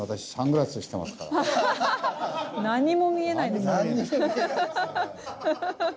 何も見えないですね。